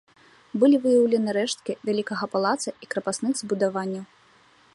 Былі выяўлены рэшткі вялікага палаца і крапасных збудаванняў.